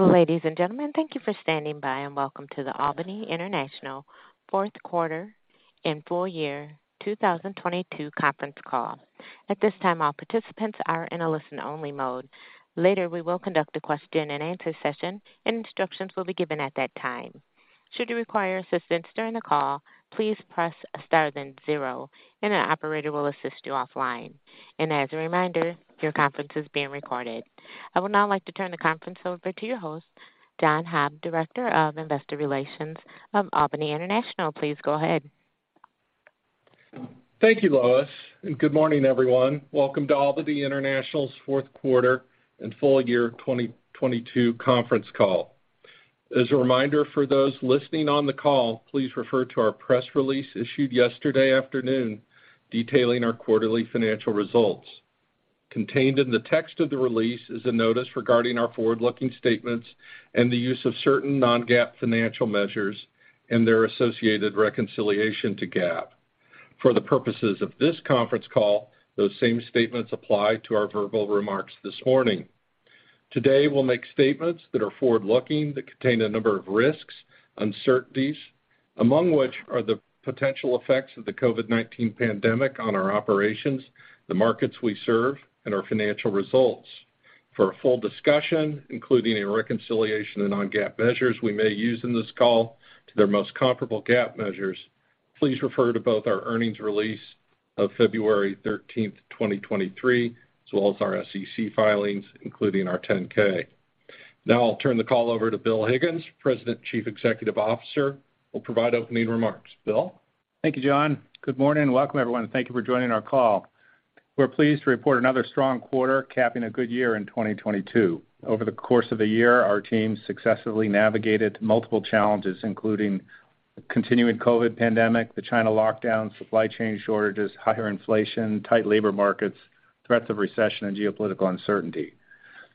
Ladies and gentlemen, thank you for standing by, welcome to the Albany International Q4 and Full Year 2022 Conference Call. At this time, all participants are in a listen-only mode. Later, we will conduct a question-and-answer session, and instructions will be given at that time. Should you require assistance during the call, please press star then 0, and an operator will assist you offline. As a reminder, your conference is being recorded. I would now like to turn the conference over to your host, John Hobbs, Director of Investor Relations of Albany International. Please go ahead. Thank you, Lois. Good morning, everyone. Welcome to Albany International's Q4 and full year 2022 conference call. As a reminder for those listening on the call, please refer to our press release issued yesterday afternoon detailing our quarterly financial results. Contained in the text of the release is a notice regarding our forward-looking statements and the use of certain non-GAAP financial measures and their associated reconciliation to GAAP. For the purposes of this conference call, those same statements apply to our verbal remarks this morning. Today, we'll make statements that are forward-looking, that contain a number of risks, uncertainties, among which are the potential effects of the COVID-19 pandemic on our operations, the markets we serve, and our financial results. For a full discussion, including a reconciliation of non-GAAP measures we may use in this call to their most comparable GAAP measures, please refer to both our earnings release of February thirteenth, 2023, as well as our SEC filings, including our 10-K. Now I'll turn the call over to Bill Higgins, President Chief Executive Officer, who will provide opening remarks. Bill? Thank you, John. Good morning and welcome, everyone, thank you for joining our call. We're pleased to report another strong quarter, capping a good year in 2022. Over the course of the year, our team successfully navigated multiple challenges, including the continuing COVID-19 pandemic, the China lockdowns, supply chain shortages, higher inflation, tight labor markets, threats of recession, and geopolitical uncertainty.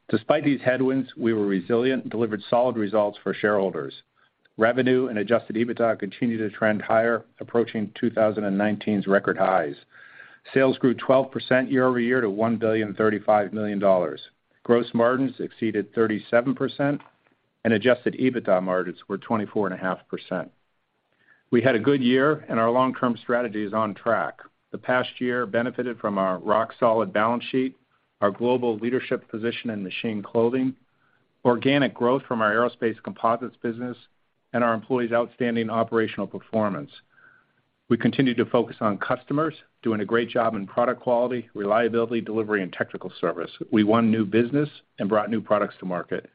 Despite these headwinds, we were resilient and delivered solid results for shareholders. Revenue and Adjusted EBITDA continued to trend higher, approaching 2019's record highs. Sales grew 12% year-over-year to $1.035 billion. Gross margins exceeded 37%, and Adjusted EBITDA margins were 24.5%. We had a good year, and our long-term strategy is on track. The past year benefited from our rock-solid balance sheet, our global leadership position in Machine Clothing, organic growth from our aerospace composites business, and our employees' outstanding operational performance. We continued to focus on customers, doing a great job in product quality, reliability, delivery, and technical service. We won new business and brought new products to market.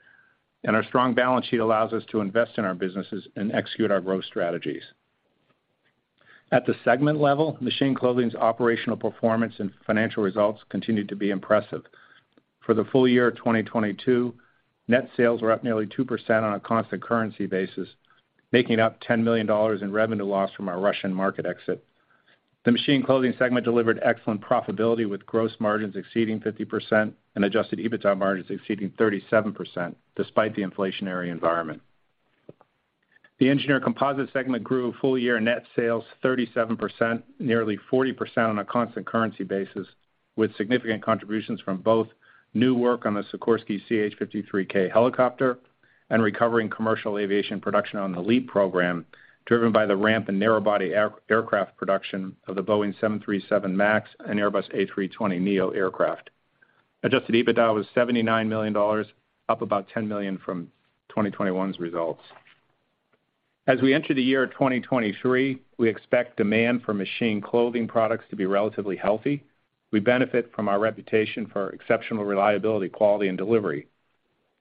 Our strong balance sheet allows us to invest in our businesses and execute our growth strategies. At the segment level, Machine Clothing's operational performance and financial results continued to be impressive. For the full year of 2022, net sales were up nearly 2% on a constant currency basis, making up $10 million in revenue loss from our Russian market exit. The Machine Clothing segment delivered excellent profitability, with gross margins exceeding 50% and Adjusted EBITDA margins exceeding 37%, despite the inflationary environment. The Engineered Composites segment grew full-year net sales 37%, nearly 40% on a constant currency basis, with significant contributions from both new work on the Sikorsky CH-53K helicopter and recovering commercial aviation production on the LEAP program, driven by the ramp in narrow-body aircraft production of the Boeing 737 MAX and Airbus A320neo aircraft. Adjusted EBITDA was $79 million, up about $10 million from 2021's results. We enter the year 2023, we expect demand for Machine Clothing products to be relatively healthy. We benefit from our reputation for exceptional reliability, quality, and delivery.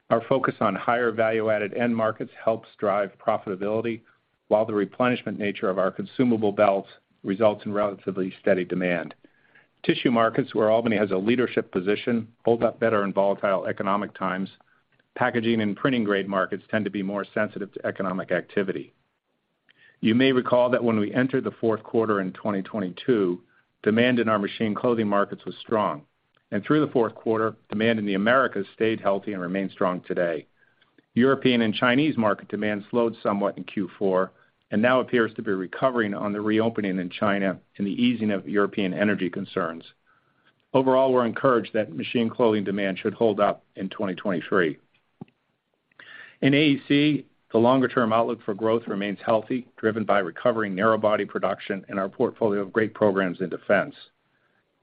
Our focus on higher value-added end markets helps drive profitability, while the replenishment nature of our consumable belts results in relatively steady demand. Tissue markets, where Albany has a leadership position, hold up better in volatile economic times. Packaging and printing grade markets tend to be more sensitive to economic activity. You may recall that when we entered the Q4 in 2022, demand in our Machine Clothing markets was strong. Through the Q4, demand in the Americas stayed healthy and remains strong today. European and Chinese market demand slowed somewhat in Q4 and now appears to be recovering on the reopening in China and the easing of European energy concerns. Overall, we're encouraged that Machine Clothing demand should hold up in 2023. In AEC, the longer-term outlook for growth remains healthy, driven by recovering narrow-body production and our portfolio of great programs in defense.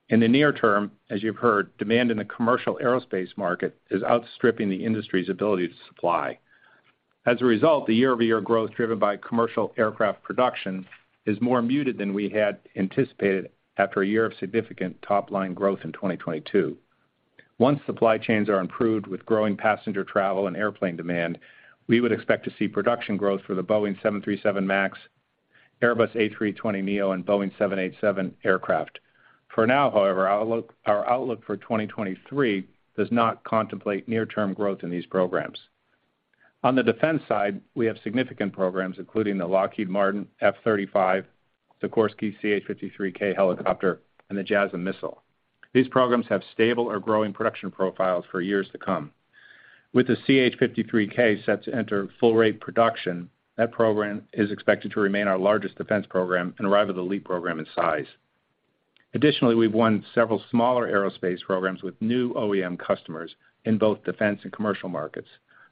In the near term, as you've heard, demand in the commercial aerospace market is outstripping the industry's ability to supply. As a result, the year-over-year growth driven by commercial aircraft production is more muted than we had anticipated after a year of significant top-line growth in 2022. Once supply chains are improved with growing passenger travel and airplane demand, we would expect to see production growth for the Boeing 737 MAX, Airbus A320neo, and Boeing 787 aircraft. For now, however, our outlook for 2023 does not contemplate near-term growth in these programs. On the defense side, we have significant programs, including the Lockheed Martin F-35, Sikorsky CH-53K helicopter, and the JASSM missile. These programs have stable or growing production profiles for years to come. With the CH-53K set to enter full rate production, that program is expected to remain our largest defense program and arrive at the LEAP program in size. Additionally, we've won several smaller aerospace programs with new OEM customers in both defense and commercial markets,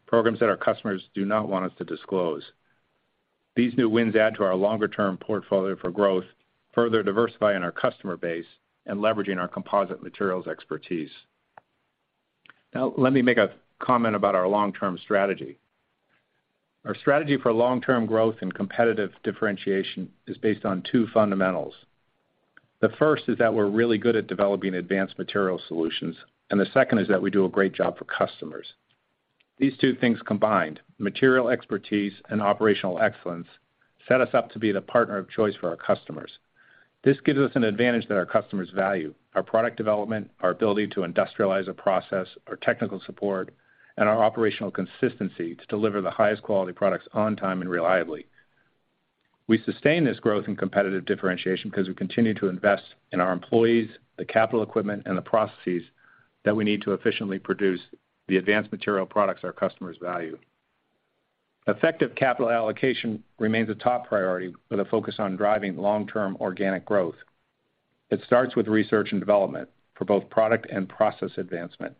programs that our customers do not want us to disclose. These new wins add to our longer term portfolio for growth, further diversifying our customer base and leveraging our composite materials expertise. Now, let me make a comment about our long-term strategy. Our strategy for long-term growth and competitive differentiation is based on two fundamentals. The first is that we're really good at developing advanced material solutions, and the second is that we do a great job for customers. These two things combined, material expertise and operational excellence, set us up to be the partner of choice for our customers. This gives us an advantage that our customers value, our product development, our ability to industrialize a process, our technical support, and our operational consistency to deliver the highest quality products on time and reliably. We sustain this growth in competitive differentiation because we continue to invest in our employees, the capital equipment, and the processes that we need to efficiently produce the advanced material products our customers value. Effective capital allocation remains a top priority with a focus on driving long-term organic growth. It starts with research and development for both product and process advancement.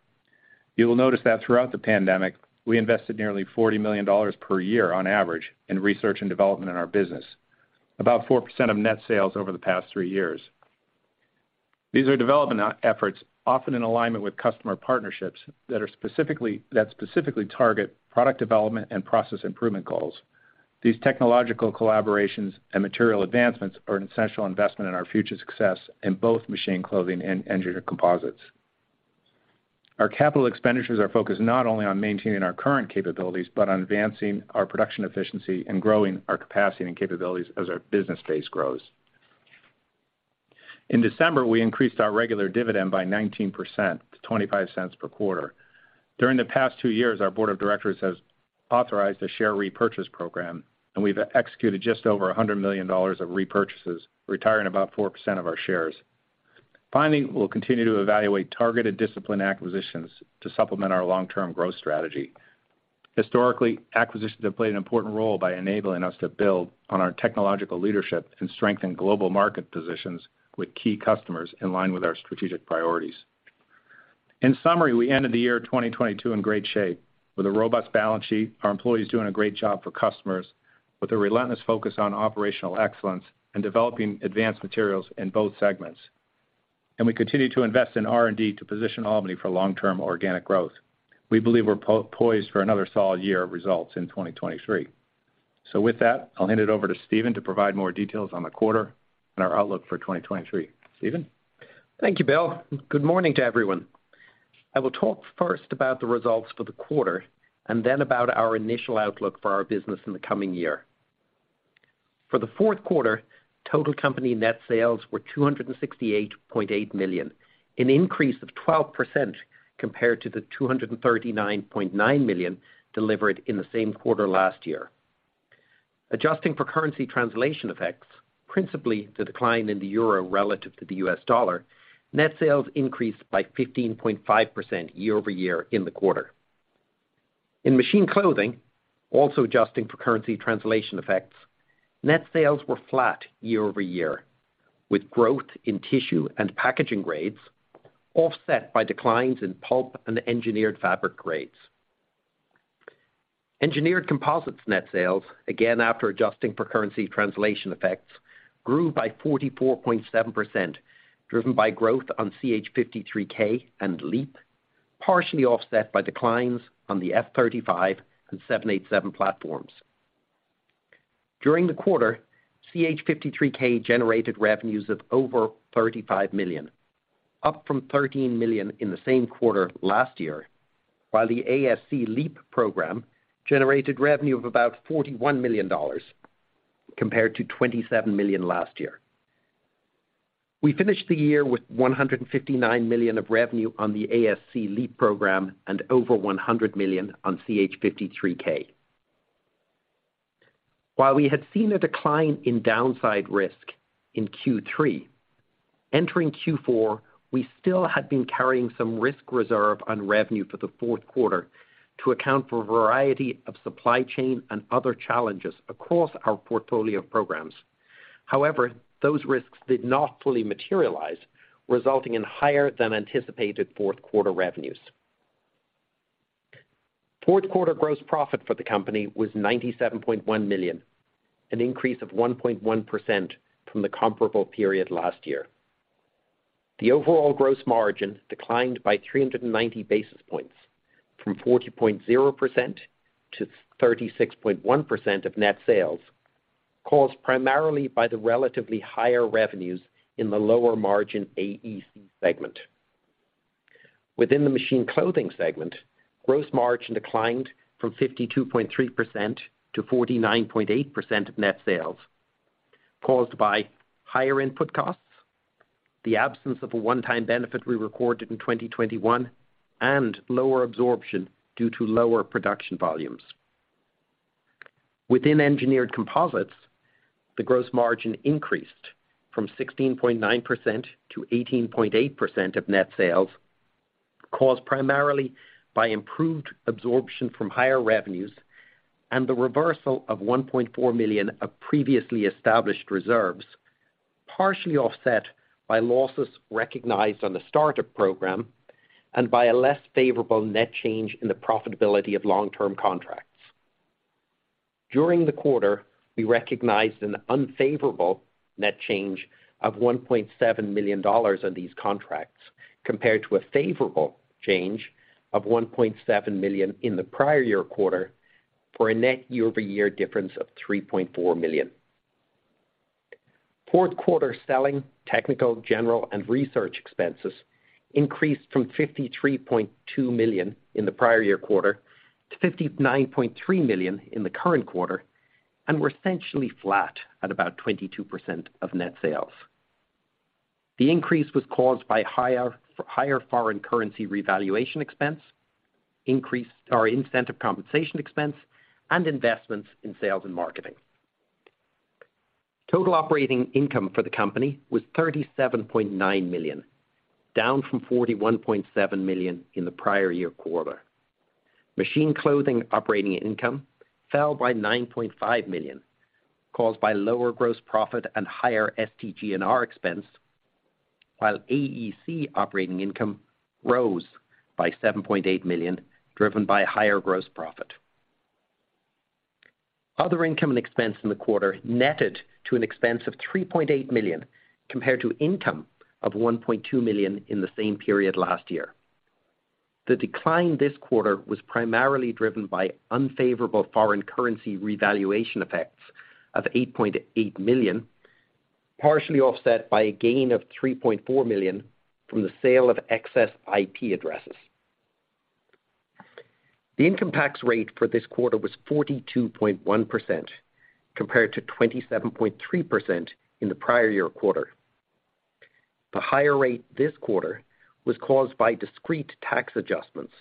You will notice that throughout the pandemic, we invested nearly $40 million per year on average in research and development in our business, about 4% of net sales over the past three years. These are development efforts, often in alignment with customer partnerships that specifically target product development and process improvement goals. These technological collaborations and material advancements are an essential investment in our future success in both Machine Clothing and Engineered Composites. Our capital expenditures are focused not only on maintaining our current capabilities, but on advancing our production efficiency and growing our capacity and capabilities as our business base grows. In December, we increased our regular dividend by 19% to $0.25 per quarter. During the past two years, our board of directors has authorized a share repurchase program, and we've executed just over $100 million of repurchases, retiring about 4% of our shares. Finally, we'll continue to evaluate targeted discipline acquisitions to supplement our long-term growth strategy. Historically, acquisitions have played an important role by enabling us to build on our technological leadership and strengthen global market positions with key customers in line with our strategic priorities. In summary, we ended the year 2022 in great shape with a robust balance sheet. Our employees doing a great job for customers with a relentless focus on operational excellence and developing advanced materials in both segments. We continue to invest in R&D to position Albany for long-term organic growth. We believe we're poised for another solid year of results in 2023. With that, I'll hand it over to Stephen to provide more details on the quarter and our outlook for 2023. Stephen. Thank you, Bill. Good morning to everyone. I will talk first about the results for the quarter and then about our initial outlook for our business in the coming year. For the Q4, total company net sales were $268.8 million, an increase of 12% compared to the $239.9 million delivered in the same quarter last year. Adjusting for currency translation effects, principally the decline in the euro relative to the US dollar, net sales increased by 15.5% year-over-year in the quarter. In Machine Clothing, also adjusting for currency translation effects, net sales were flat year-over-year, with growth in tissue and packaging grades offset by declines in pulp and engineered fabric grades. Engineered Composites net sales, again, after adjusting for currency translation effects, grew by 44.7%, driven by growth on CH-53K and LEAP, partially offset by declines on the F-35 and 787 platforms. During the quarter, CH-53K generated revenues of over $35 million, up from $13 million in the same quarter last year, while the ASC LEAP program generated revenue of about $41 million, compared to $27 million last year. We finished the year with $159 million of revenue on the ASC LEAP program and over $100 million on CH-53K. While we had seen a decline in downside risk in Q3, entering Q4, we still had been carrying some risk reserve on revenue for the Q4 to account for a variety of supply chain and other challenges across our portfolio of programs. Those risks did not fully materialize, resulting in higher than anticipated Q4 revenues. Q4 gross profit for the company was $97.1 million, an increase of 1.1% from the comparable period last year. The overall gross margin declined by 390 basis points, from 40.0% to 36.1% of net sales, caused primarily by the relatively higher revenues in the lower margin AEC segment. Within the Machine Clothing segment, gross margin declined from 52.3% to 49.8% of net sales, caused by higher input costs, the absence of a one-time benefit we recorded in 2021, and lower absorption due to lower production volumes. Within Engineered Composites, the gross margin increased from 16.9% to 18.8% of net sales. Caused primarily by improved absorption from higher revenues and the reversal of $1.4 million of previously established reserves, partially offset by losses recognized on the startup program and by a less favorable net change in the profitability of long-term contracts. During the quarter, we recognized an unfavorable net change of $1.7 million on these contracts, compared to a favorable change of $1.7 million in the prior year quarter for a net year-over-year difference of $3.4 million. Q4 selling, technical, general, and research expenses increased from $53.2 million in the prior year quarter to $59.3 million in the current quarter and were essentially flat at about 22% of net sales. The increase was caused by higher foreign currency revaluation expense, incentive compensation expense, and investments in sales and marketing. Total operating income for the company was $37.9 million, down from $41.7 million in the prior year quarter. Machine Clothing operating income fell by $9.5 million, caused by lower gross profit and higher SG&A expense, while AEC operating income rose by $7.8 million, driven by higher gross profit. Other income and expense in the quarter netted to an expense of $3.8 million, compared to income of $1.2 million in the same period last year. The decline this quarter was primarily driven by unfavorable foreign currency revaluation effects of $8.8 million, partially offset by a gain of $3.4 million from the sale of excess IP addresses. The income tax rate for this quarter was 42.1%, compared to 27.3% in the prior year quarter. The higher rate this quarter was caused by discrete tax adjustments,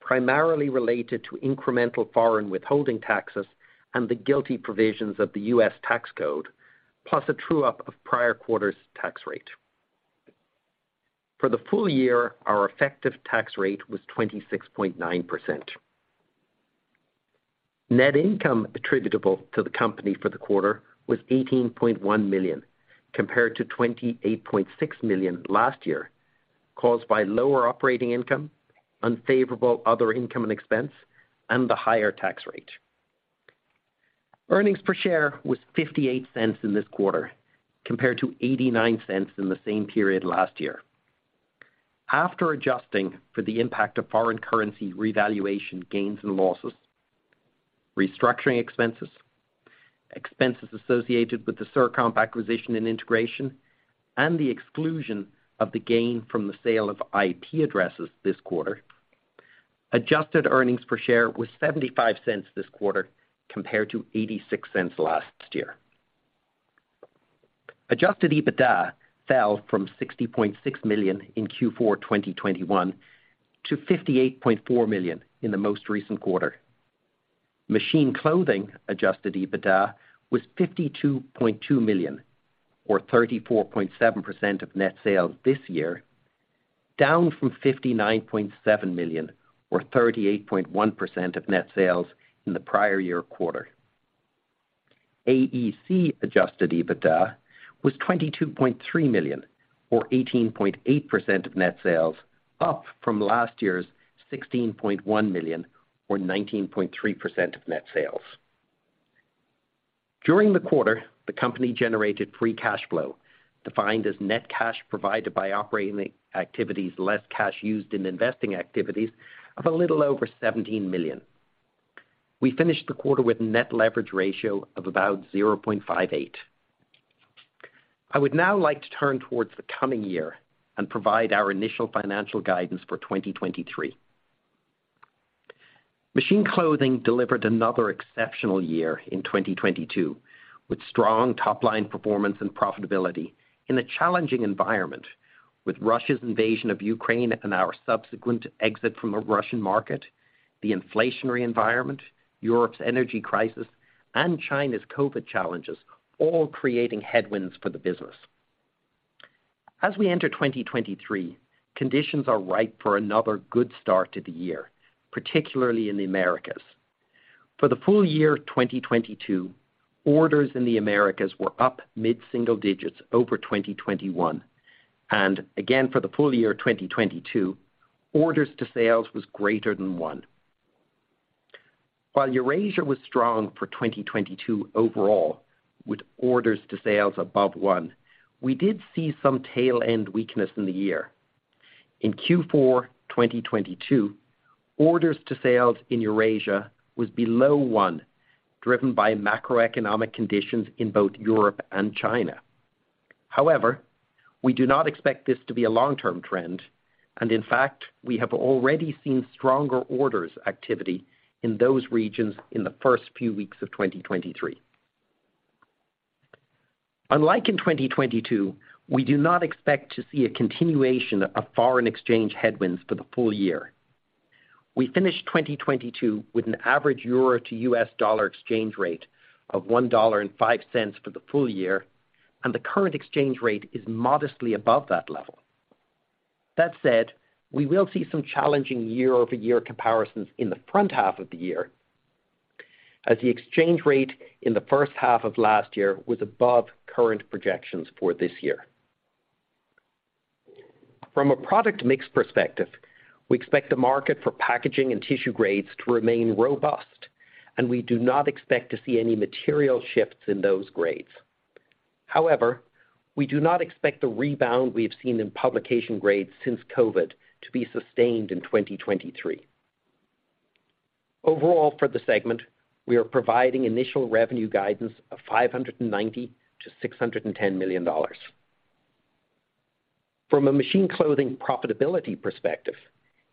primarily related to incremental foreign withholding taxes and the GILTI provisions of the U.S. tax code, plus a true up of prior quarters tax rate. For the full year, our effective tax rate was 26.9%. Net income attributable to the company for the quarter was $18.1 million, compared to $28.6 million last year, caused by lower operating income, unfavorable other income and expense, and the higher tax rate. Earnings per share was $0.58 in this quarter, compared to $0.89 in the same period last year. After adjusting for the impact of foreign currency revaluation gains and losses, restructuring expenses associated with the CirComp acquisition and integration, and the exclusion of the gain from the sale of IP addresses this quarter, adjusted earnings per share was $0.75 this quarter, compared to $0.86 last year. Adjusted EBITDA fell from $60.6 million in Q4 2021 to $58.4 million in the most recent quarter. Machine Clothing adjusted EBITDA was $52.2 million, or 34.7% of net sales this year, down from $59.7 million, or 38.1% of net sales in the prior year quarter. AEC adjusted EBITDA was $22.3 million, or 18.8% of net sales, up from last year's $16.1 million, or 19.3% of net sales. During the quarter, the company generated free cash flow, defined as net cash provided by operating activities less cash used in investing activities of a little over $17 million. We finished the quarter with net leverage ratio of about 0.58. I would now like to turn towards the coming year and provide our initial financial guidance for 2023. Machine Clothing delivered another exceptional year in 2022, with strong top-line performance and profitability in a challenging environment with Russia's invasion of Ukraine and our subsequent exit from the Russian market, the inflationary environment, Europe's energy crisis, and China's COVID challenges all creating headwinds for the business. As we enter 2023, conditions are ripe for another good start to the year, particularly in the Americas. For the full year 2022, orders in the Americas were up mid-single digits over 2021. Again, for the full year 2022, orders to sales was greater than 1. While Eurasia was strong for 2022 overall, with orders to sales above 1, we did see some tail-end weakness in the year. In Q4 2022, orders to sales in Eurasia was below 1, driven by macroeconomic conditions in both Europe and China. However, we do not expect this to be a long-term trend, and in fact, we have already seen stronger orders activity in those regions in the first few weeks of 2023. Unlike in 2022, we do not expect to see a continuation of foreign exchange headwinds for the full year. We finished 2022 with an average euro to US dollar exchange rate of $1.05 for the full year, and the current exchange rate is modestly above that level. That said, we will see some challenging year-over-year comparisons in the front half of the year as the exchange rate in the first half of last year was above current projections for this year. From a product mix perspective, we expect the market for packaging and tissue grades to remain robust, and we do not expect to see any material shifts in those grades. However, we do not expect the rebound we have seen in publication grades since COVID to be sustained in 2023. Overall, for the segment, we are providing initial revenue guidance of $590 - $610 million. From a Machine Clothing profitability perspective,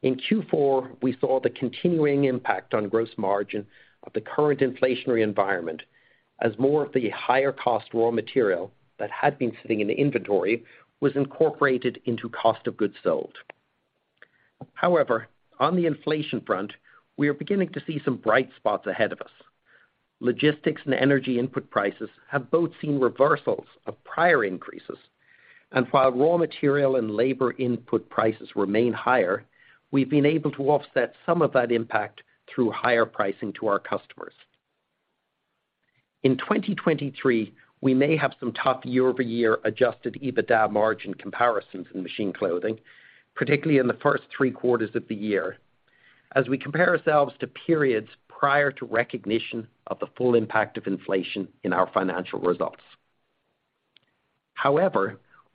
in Q4, we saw the continuing impact on gross margin of the current inflationary environment as more of the higher cost raw material that had been sitting in the inventory was incorporated into cost of goods sold. On the inflation front, we are beginning to see some bright spots ahead of us. Logistics and energy input prices have both seen reversals of prior increases, and while raw material and labor input prices remain higher, we've been able to offset some of that impact through higher pricing to our customers. In 2023, we may have some tough year-over-year Adjusted EBITDA margin comparisons in Machine Clothing, particularly in the first three quarters of the year, as we compare ourselves to periods prior to recognition of the full impact of inflation in our financial results.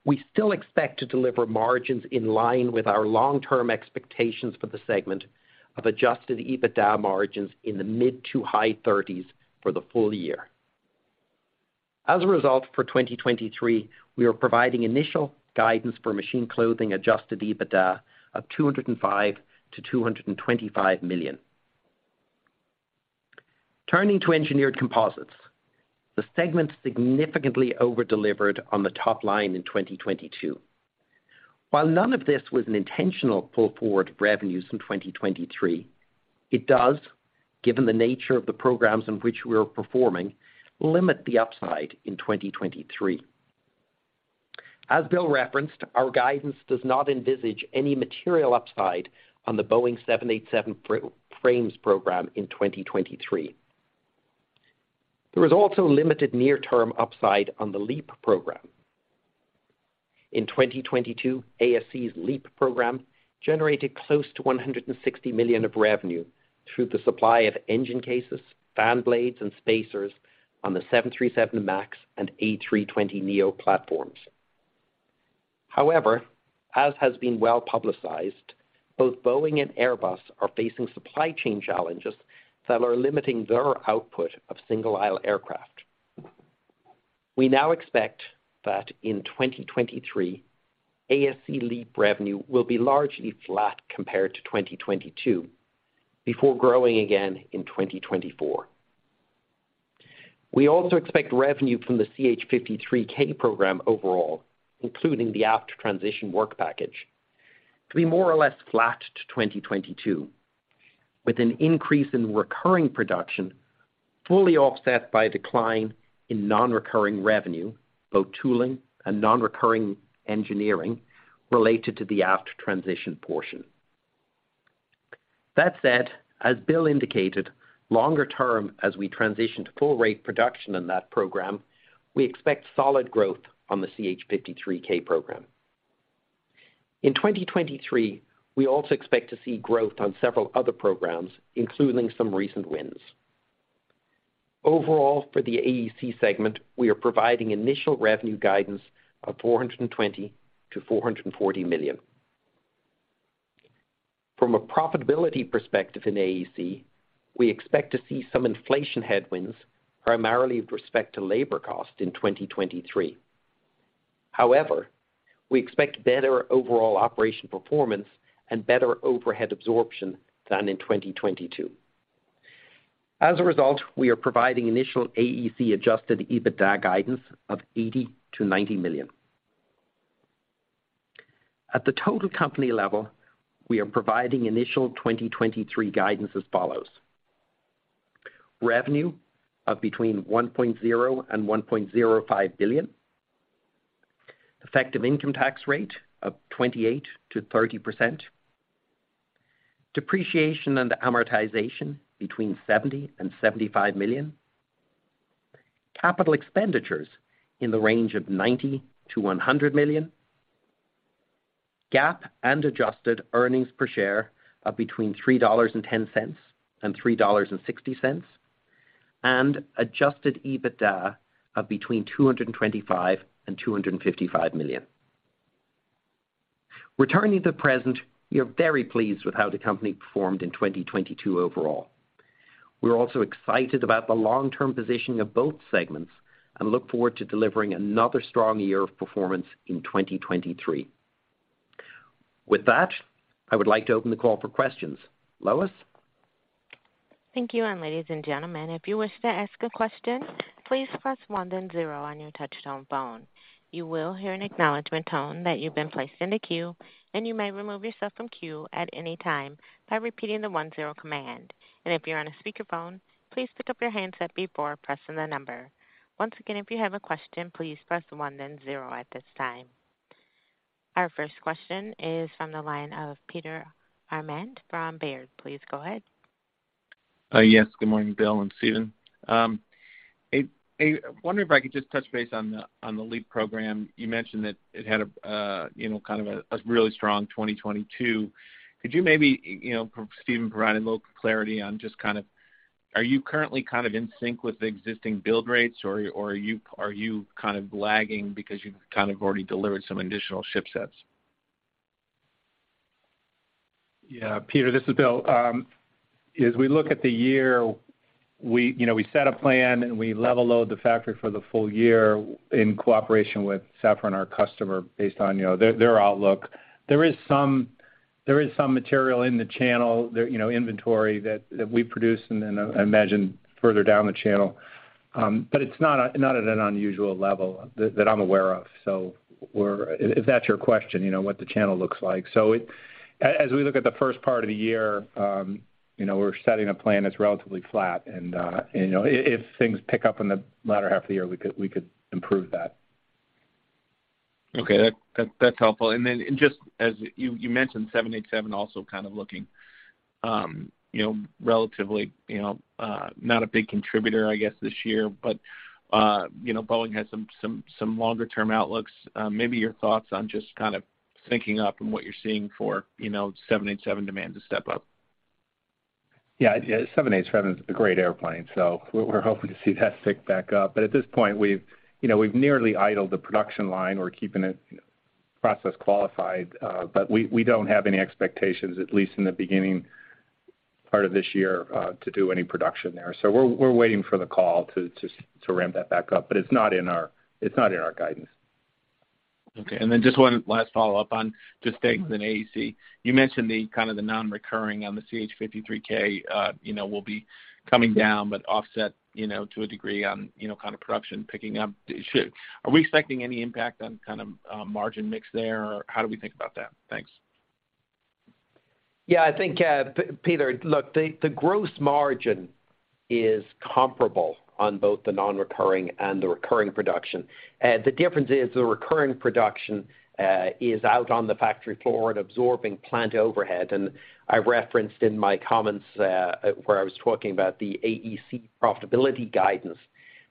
We still expect to deliver margins in line with our long-term expectations for the segment of Adjusted EBITDA margins in the mid-to-high 30s% for the full year. As a result, for 2023, we are providing initial guidance for Machine Clothing Adjusted EBITDA of $205 - $225 million. Turning to Engineered Composites. The segment significantly over-delivered on the top line in 2022. While none of this was an intentional pull-forward of revenues in 2023, it does, given the nature of the programs in which we are performing, limit the upside in 2023. As Bill referenced, our guidance does not envisage any material upside on the Boeing 787 frames program in 2023. There is also limited near term upside on the LEAP program. In 2022, ASC's LEAP program generated close to $160 million of revenue through the supply of engine cases, fan blades, and spacers on the 737 MAX and A320neo platforms. As has been well-publicized, both Boeing and Airbus are facing supply chain challenges that are limiting their output of single-aisle aircraft. We now expect that in 2023, ASC LEAP revenue will be largely flat compared to 2022, before growing again in 2024. We also expect revenue from the CH-53K program overall, including the Aft Transition work package, to be more or less flat to 2022, with an increase in recurring production fully offset by a decline in non-recurring revenue, both tooling and non-recurring engineering related to the Aft Transition portion. That said, as Bill indicated, longer term, as we transition to full rate production in that program, we expect solid growth on the CH-53K program. In 2023, we also expect to see growth on several other programs, including some recent wins. Overall, for the AEC segment, we are providing initial revenue guidance of $420 - $440 million. From a profitability perspective in AEC, we expect to see some inflation headwinds, primarily with respect to labor cost in 2023. However, we expect better overall operation performance and better overhead absorption than in 2022. As a result, we are providing initial AEC Adjusted EBITDA guidance of $80 - $90 million. At the total company level, we are providing initial 2023 guidance as follows: revenue of between $1.0 billion and $1.05 billion, effective income tax rate of 28%-30%, depreciation and amortization between $70 million and $75 million, capital expenditures in the range of $90 - $100 million, GAAP and Adjusted earnings per share of between $3.10 and $3.60, and Adjusted EBITDA of between $225 million and $255 million. Returning to the present, we are very pleased with how the company performed in 2022 overall. We're also excited about the long-term positioning of both segments, look forward to delivering another strong year of performance in 2023. With that, I would like to open the call for questions. Lois? Thank you. Ladies and gentlemen, if you wish to ask a question, please press 1 then 0 on your touch-tone phone. You will hear an acknowledgment tone that you've been placed in the queue. You may remove yourself from queue at any time by repeating the 1 0 command. If you're on a speakerphone, please pick up your handset before pressing the number. Once again, if you have a question, please press 1 then 0 at this time. Our first question is from the line of Peter Arment from Baird. Please go ahead. Yes. Good morning, Bill and Stephen. I wonder if I could just touch base on the LEAP program. You mentioned that it had a, you know, kind of a really strong 2022. Could you maybe, you know, Stephen, provide a little clarity on just kind of are you currently kind of in sync with the existing build rates or are you kind of lagging because you've kind of already delivered some additional ship sets? Yeah. Peter, this is Bill. As we look at the year, we, you know, we set a plan, and we level load the factory for the full year in cooperation with Safran, our customer, based on, you know, their outlook. There is some, there is some material in the channel there, you know, inventory that we produce and then I imagine further down the channel. It's not at an unusual level that I'm aware of. If that's your question, you know, what the channel looks like. As we look at the first part of the year, you know, we're setting a plan that's relatively flat and, you know, if things pick up in the latter half of the year, we could improve that. Okay. That's helpful. Just as you mentioned 787 also kind of looking, you know, relatively, you know, not a big contributor, I guess, this year, but, you know, Boeing has some longer term outlooks. Maybe your thoughts on just kind of syncing up and what you're seeing for, you know, 787 demand to step up? Yeah. 787 is a great airplane, so we're hoping to see that pick back up. At this point we've, you know, we've nearly idled the production line. We're keeping it process qualified, but we don't have any expectations, at least in the beginning part of this year, to do any production there. We're waiting for the call to ramp that back up, but it's not in our, it's not in our guidance. Okay. Just one last follow-up on just staying with an AEC. You mentioned the kind of the non-recurring on the CH-53K, you know, will be coming down, but offset, you know, to a degree on, you know, kind of production picking up. Are we expecting any impact on kind of margin mix there or how do we think about that? Thanks. Yeah. I think, Peter, look, the gross margin is comparable on both the non-recurring and the recurring production. The difference is the recurring production is out on the factory floor and absorbing plant overhead. I referenced in my comments where I was talking about the AEC profitability guidance,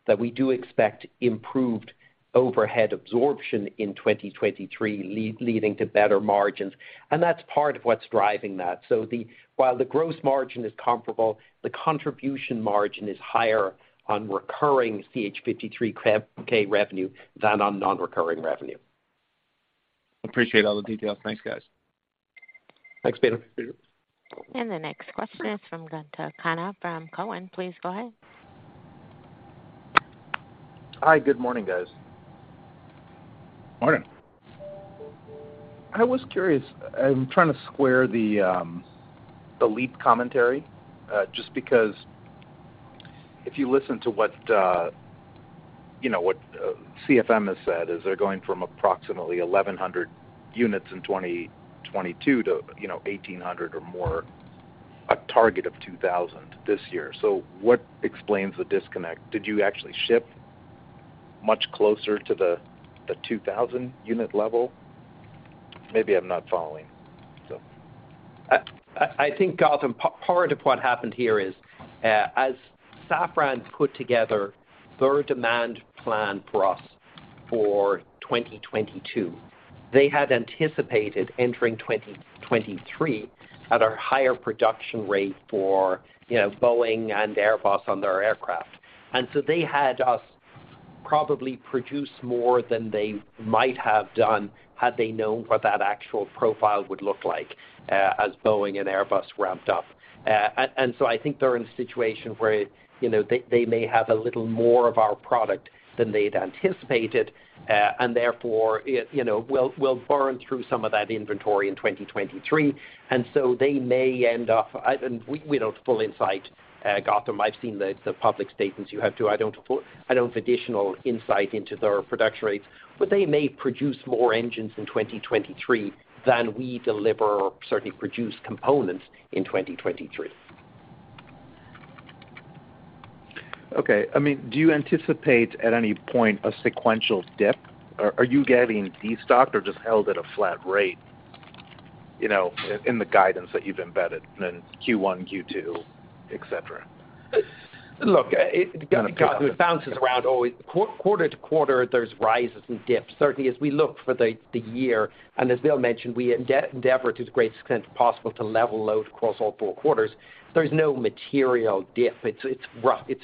that we do expect improved overhead absorption in 2023 leading to better margins, and that's part of what's driving that. While the gross margin is comparable, the contribution margin is higher on recurring CH-53K revenue than on non-recurring revenue. Appreciate all the details. Thanks, guys. Thanks, Peter. Thanks. The next question is from Gautam Khanna from Cowen. Please go ahead. Hi. Good morning, guys. Morning. I was curious. I'm trying to square the LEAP commentary, just because if you listen to what, you know, what CFM has said is they're going from approximately 1,100 units in 2022 to, you know, 1,800 or more, a target of 2,000 this year. What explains the disconnect? Did you actually ship much closer to the 2,000 unit level? Maybe I'm not following, so. I think, Gautam, part of what happened here is, as Safran put together their demand plan for us for 2022, they had anticipated entering 2023 at a higher production rate for, you know, Boeing and Airbus on their aircraft. They had us probably produce more than they might have done had they known what that actual profile would look like, as Boeing and Airbus ramped up. I think they're in a situation where, you know, they may have a little more of our product than they'd anticipated, and therefore it, you know, will burn through some of that inventory in 2023. They may end up. I don't. We don't have full insight, Gautam. I've seen the public statements you have, too. I don't have additional insight into their production rates. They may produce more engines in 2023 than we deliver or certainly produce components in 2023. Okay. I mean, do you anticipate at any point a sequential dip? Are you getting de-stocked or just held at a flat rate, you know, in the guidance that you've embedded in Q1, Q2, et cetera? Look, it, Gautam, it bounces around always. Quarter to quarter, there's rises and dips. Certainly, as we look for the year, as Bill mentioned, we endeavor to the greatest extent possible to level load across all four quarters. There's no material dip. It's, it's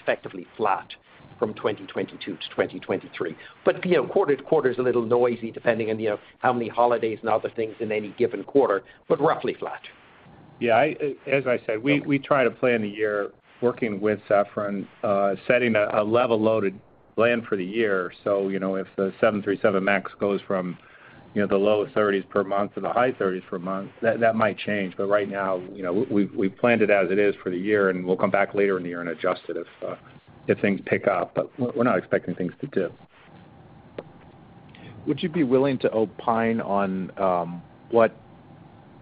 effectively flat from 2022 to 2023. You know, quarter to quarter is a little noisy depending on, you know, how many holidays and other things in any given quarter, but roughly flat. Yeah. I, as I said, we try to plan the year working with Safran, setting a level loaded plan for the year. you know, if the 737 MAX goes from You know, the low 30s per month or the high 30s per month, that might change. Right now, you know, we've planned it as it is for the year, and we'll come back later in the year and adjust it if things pick up. We're not expecting things to dip. Would you be willing to opine on what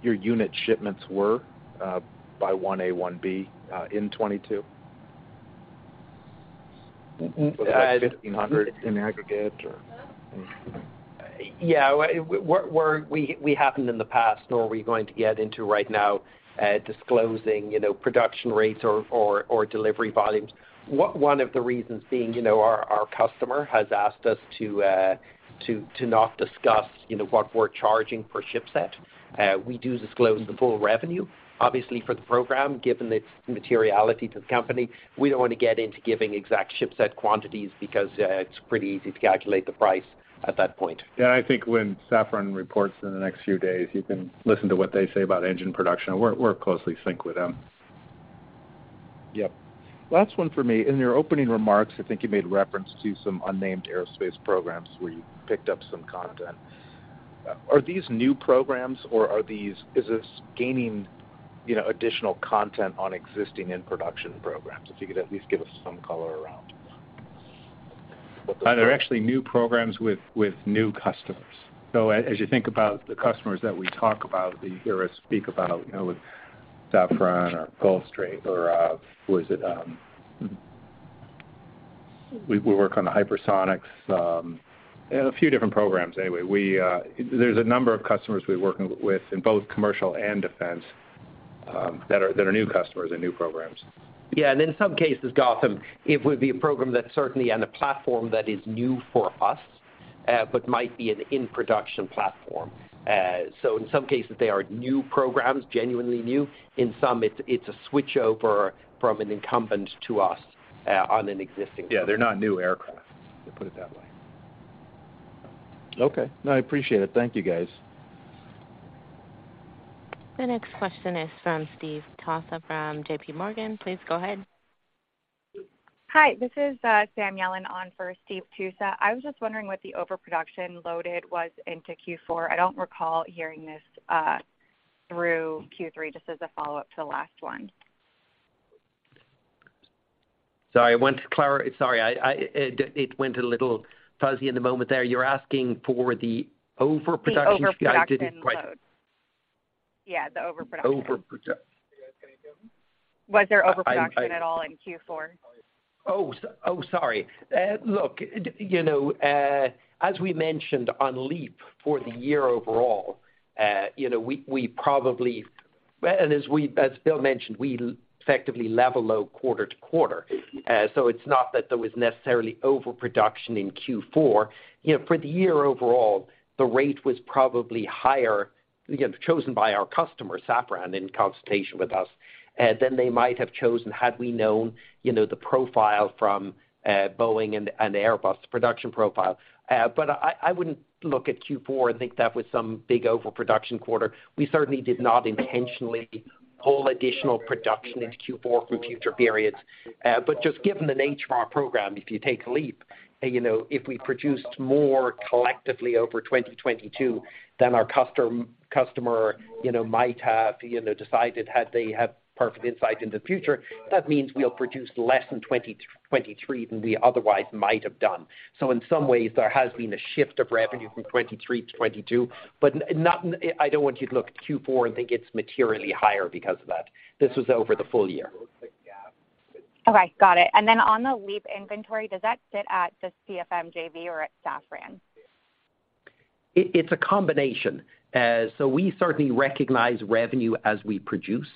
your unit shipments were by 1A, 1B in 2022? Uh- Was it like 1,500 in aggregate, or? We haven't in the past, nor are we going to get into right now, disclosing, you know, production rates or delivery volumes. One of the reasons being, you know, our customer has asked us to not discuss, you know, what we're charging per ship set. We do disclose the full revenue, obviously for the program, given its materiality to the company. We don't wanna get into giving exact ship set quantities because it's pretty easy to calculate the price at that point. I think when Safran reports in the next few days, you can listen to what they say about engine production. We're closely synced with them. Yep. Last one for me. In your opening remarks, I think you made reference to some unnamed aerospace programs where you picked up some content. Are these new programs or is this gaining, you know, additional content on existing in-production programs? If you could at least give us some color around. They're actually new programs with new customers. As you think about the customers that we talk about, that you hear us speak about, you know, with Safran or Gulfstream or, who is it, we work on the hypersonics, they have a few different programs anyway. There's a number of customers we're working with in both commercial and defense, that are new customers and new programs. Yeah. In some cases, Gautam Khanna, it would be a program that's certainly on a platform that is new for us, but might be an in-production platform. In some cases they are new programs, genuinely new. In some it's a switch over from an incumbent to us, on an existing program. Yeah, they're not new aircraft, let's put it that way. Okay. No, I appreciate it. Thank You guys. The next question is from Steve Tusa from JPMorgan. Please go ahead. Hi, this is Sam Yellen on for Steve Tusa. I was just wondering what the overproduction loaded was into Q4. I don't recall hearing this through Q3. Just as a follow-up to the last one. Sorry, I went to Clara... Sorry, I... It went a little fuzzy in the moment there. You're asking for the overproduction- The overproduction load. Yeah, the overproduction. Overproduct- Was there overproduction at all in Q4? Sorry. As we mentioned on LEAP for the year overall, as Bill mentioned, we effectively level load quarter to quarter. It's not that there was necessarily overproduction in Q4. You know, for the year overall, the rate was probably higher, again, chosen by our customer, Safran, in consultation with us, than they might have chosen had we known the profile from Boeing and Airbus production profile. I wouldn't look at Q4 and think that was some big overproduction quarter. We certainly did not intentionally pull additional production into Q4 from future periods. Just given the nature of our program, if you take a LEAP, you know, if we produced more collectively over 2022 than our custom-customer, you know, might have, you know, decided had they had perfect insight into the future, that means we'll produce less in 2023 than we otherwise might have done. In some ways there has been a shift of revenue from 23 to 22, but not. I don't want you to look at Q4 and think it's materially higher because of that. This was over the full year. Okay, got it. Then on the LEAP inventory, does that sit at the CFM JV or at Safran? It's a combination. We certainly recognize revenue as we produce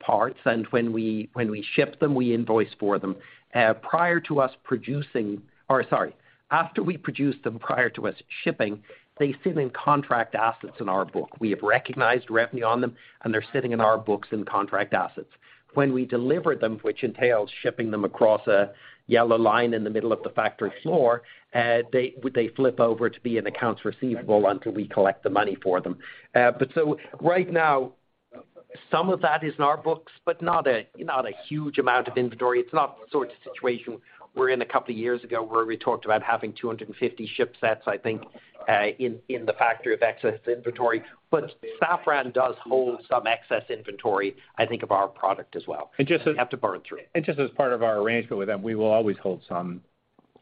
parts, and when we ship them, we invoice for them. After we produce them, prior to us shipping, they sit in contract assets in our book. We have recognized revenue on them, and they're sitting in our books in contract assets. When we deliver them, which entails shipping them across a yellow line in the middle of the factory floor, they flip over to be an accounts receivable until we collect the money for them. Right now some of that is in our books, but not a huge amount of inventory. It's not the sort of situation we're in a couple of years ago where we talked about having 250 ship sets, I think, in the factory of excess inventory. Safran does hold some excess inventory, I think of our product as well. We have to burn through. Just as part of our arrangement with them, we will always hold some-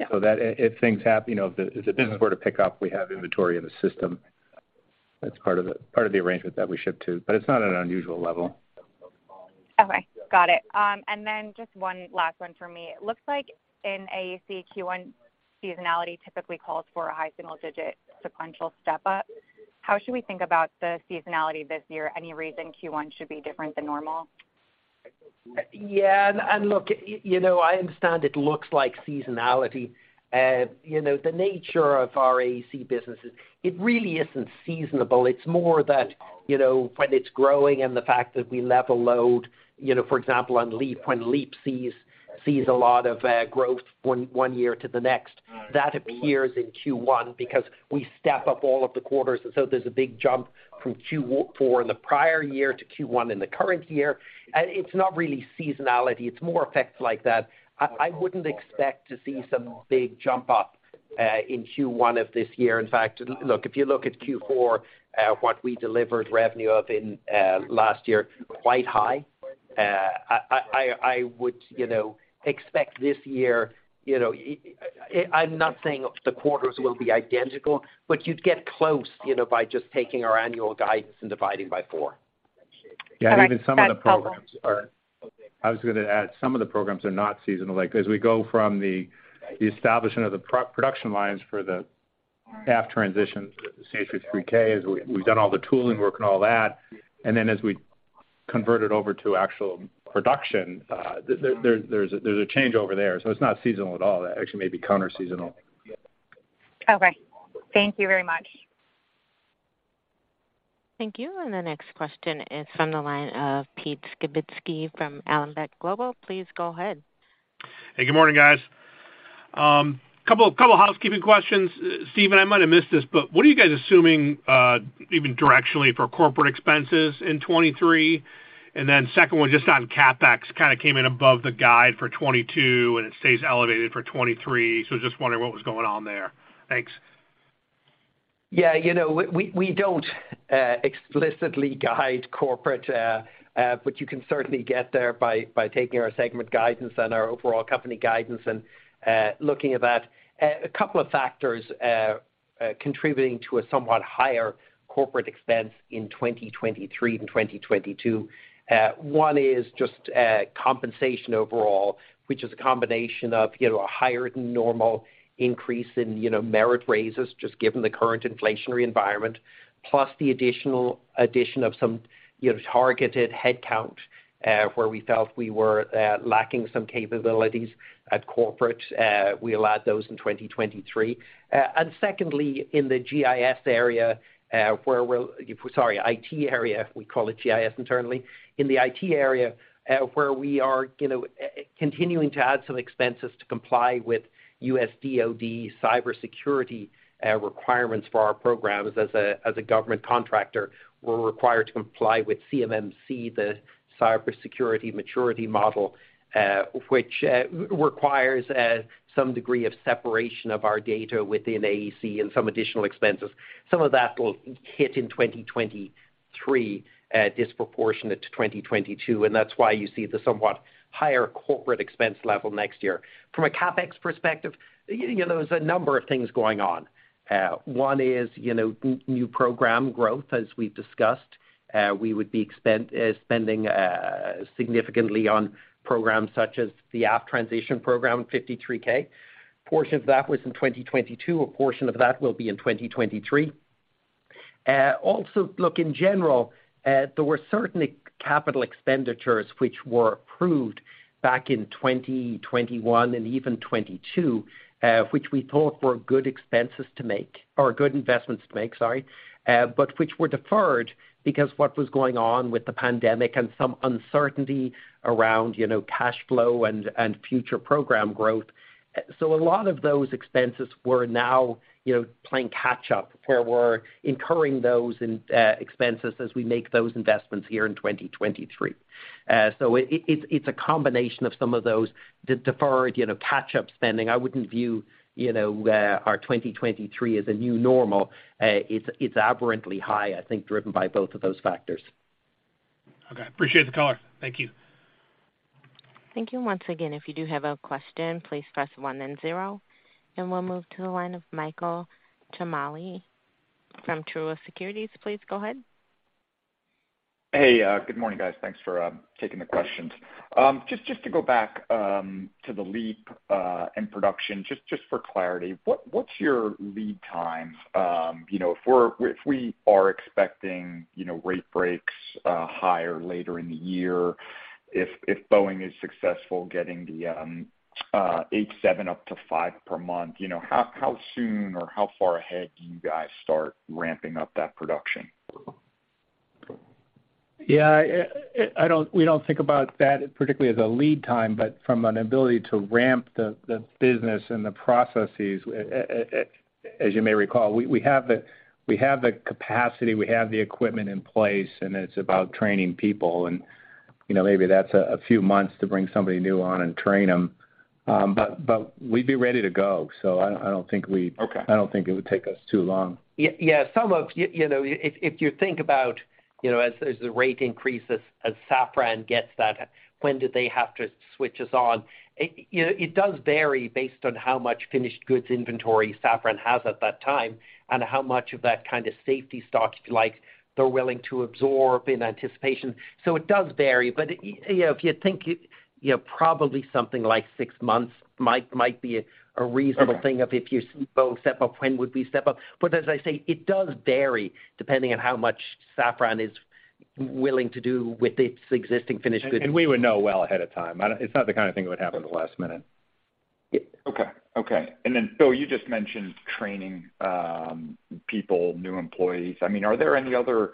Yeah. That if things you know, if the business were to pick up, we have inventory in the system. That's part of the arrangement that we ship to, but it's not an unusual level. Okay, got it. Then just one last one for me. It looks like in AEC, Q1 seasonality typically calls for a high single digit sequential step up. How should we think about the seasonality this year? Any reason Q1 should be different than normal? Yeah. And, look, you know, I understand it looks like seasonality. You know, the nature of our AEC businesses, it really isn't seasonable. It's more that, you know, when it's growing and the fact that we level load, you know, for example, on LEAP, when LEAP sees a lot of growth one year to the next, that appears in Q1 because we step up all of the quarters. There's a big jump from Q4 in the prior year to Q1 in the current year. It's not really seasonality, it's more effects like that. I wouldn't expect to see some big jump up in Q1 of this year. In fact, look, if you look at Q4, what we delivered revenue of in last year, quite high. I would, you know, expect this year, you know... I'm not saying the quarters will be identical, but you'd get close, you know, by just taking our annual guidance and dividing by four. Even some of the programs I was gonna add, some of the programs are not seasonal. Like, as we go from the establishment of the production lines for the Aft Transition to the 53K, as we've done all the tooling work and all that, and then as we convert it over to actual production, there's a change over there. It's not seasonal at all. That actually may be counter-seasonal. Okay. Thank you very much. Thank you. The next question is from the line of Pete Skibitski from Alembic Global. Please go ahead. Hey, good morning, guys. Couple housekeeping questions. Stephen, I might have missed this, but what are you guys assuming, even directionally for corporate expenses in 2023? Second one, just on CapEx, kinda came in above the guide for 2022, and it stays elevated for 2023. Just wondering what was going on there. Thanks. Yeah. You know, we don't explicitly guide corporate, but you can certainly get there by taking our segment guidance and our overall company guidance and looking at that. A couple of factors contributing to a somewhat higher corporate expense in 2023 and 2022. One is just compensation overall, which is a combination of, you know, a higher than normal increase in, you know, merit raises, just given the current inflationary environment, plus the addition of some, you know, targeted headcount, where we felt we were lacking some capabilities at corporate. We allowed those in 2023. And secondly, in the GIS area, Sorry, IT area. We call it GIS internally. In the IT area, you know, continuing to add some expenses to comply with US DOD cybersecurity requirements for our programs. As a government contractor, we're required to comply with CMMC, the Cybersecurity Maturity Model, which requires some degree of separation of our data within AEC and some additional expenses. Some of that will hit in 2023, disproportionate to 2022, and that's why you see the somewhat higher corporate expense level next year. From a CapEx perspective, you know, there's a number of things going on. One is, you know, new program growth, as we've discussed. We would be spending significantly on programs such as the Aft Transition program, CH-53K. Portion of that was in 2022, a portion of that will be in 2023. Also, look, in general, there were certain capital expenditures which were approved back in 2021 and even 2022, which we thought were good expenses to make, or good investments to make, sorry, but which were deferred because what was going on with the pandemic and some uncertainty around, you know, cash flow and future program growth. A lot of those expenses we're now, you know, playing catch up, where we're incurring those in expenses as we make those investments here in 2023. It's a combination of some of those deferred, you know, catch-up spending. I wouldn't view, you know, our 2023 as a new normal. It's aberrantly high, I think driven by both of those factors. Okay. Appreciate the color. Thank you. Thank you. Once again, if you do have a question, please press 1, then 0. We'll move to the line of Michael Ciarmoli from Truist Securities. Please go ahead. Hey, good morning, guys. Thanks for taking the questions. Just to go back to the LEAP in production, just for clarity, what's your lead times? You know, if we are expecting, you know, rate breaks, higher later in the year, if Boeing is successful getting the 787 up to 5 per month, you know, how soon or how far ahead do you guys start ramping up that production? Yeah, I don't We don't think about that particularly as a lead time, but from an ability to ramp the business and the processes. As you may recall, we have the capacity, we have the equipment in place, and it's about training people and, you know, maybe that's a few months to bring somebody new on and train them. But we'd be ready to go. I don't think we. Okay. I don't think it would take us too long. You know, if you think about, you know, as the rate increases, as Safran gets that, when do they have to switch us on? It does vary based on how much finished goods inventory Safran has at that time and how much of that kind of safety stock, if you like, they're willing to absorb in anticipation. It does vary. You know, if you think, you know, probably something like six months might be a reasonable thing of if you see both step up, when would we step up? As I say, it does vary depending on how much Safran is willing to do with its existing finished goods. We would know well ahead of time. It's not the kind of thing that would happen at the last minute. Okay. Okay. Then, Bill, you just mentioned training, people, new employees. I mean, are there any other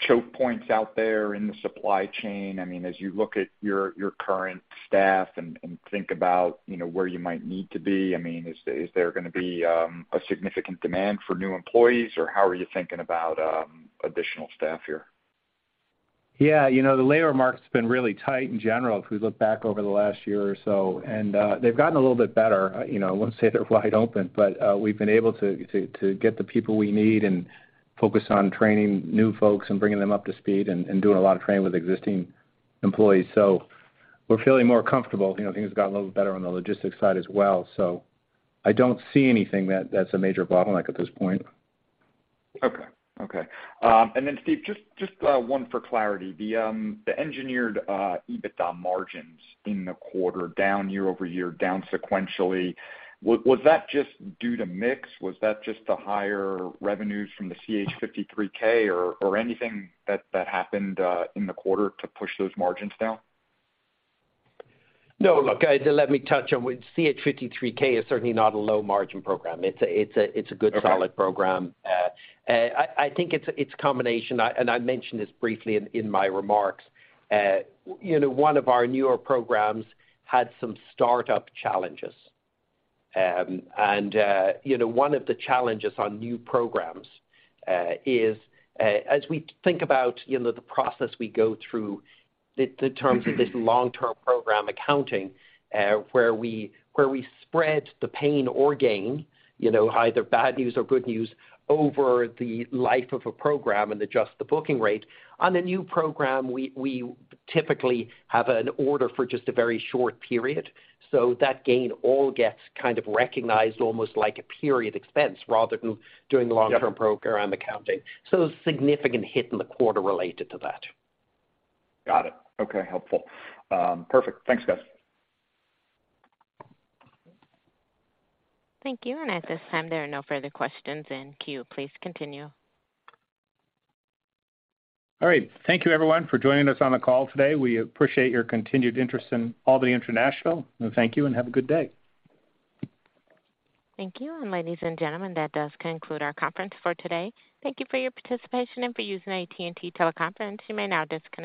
choke points out there in the supply chain? I mean, as you look at your current staff and think about, you know, where you might need to be, I mean, is there gonna be a significant demand for new employees, or how are you thinking about additional staff here? Yeah. You know, the labor market's been really tight in general, if we look back over the last year or so, and they've gotten a little bit better. You know, I wouldn't say they're wide open, but we've been able to get the people we need and focus on training new folks and bringing them up to speed and doing a lot of training with existing employees. We're feeling more comfortable. You know, things have gotten a little better on the logistics side as well, so I don't see anything that's a major bottleneck at this point. Okay. Okay. Steve, just one for clarity. The Engineered EBITDA margins in the quarter down year-over-year, down sequentially, was that just due to mix? Was that just the higher revenues from the CH-53K or anything that happened in the quarter to push those margins down? No. Look, let me touch on with CH-53K is certainly not a low margin program. It's a good solid program. Okay. I think it's combination. I mentioned this briefly in my remarks. You know, one of our newer programs had some startup challenges. You know, one of the challenges on new programs is as we think about, you know, the process we go through in terms of this long-term program accounting, where we spread the pain or gain, you know, either bad news or good news over the life of a program and adjust the booking rate. On a new program, we typically have an order for just a very short period. That gain all gets kind of recognized almost like a period expense rather than doing long-term program accounting. A significant hit in the quarter related to that. Got it. Okay. Helpful. Perfect. Thanks, guys. Thank you. At this time, there are no further questions in queue. Please continue. All right. Thank you everyone for joining us on the call today. We appreciate your continued interest in Albany International. Thank you and have a good day. Thank you. Ladies and gentlemen, that does conclude our conference for today. Thank you for your participation and for using AT&T TeleConference. You may now disconnect.